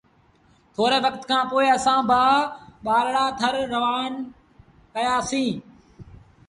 ٿوري وکت کآݩ پو اسآݩ با ٻآرڙآ ٿر روآنآ ڪيآسيٚݩ۔